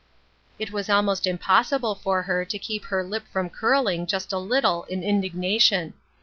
" It was almost impossible for her to keep her lip from curling just a little in indignation.